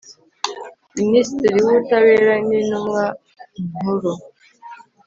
minisitiri w ubutabera intumwa nkuru